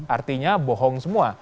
artinya bohong semua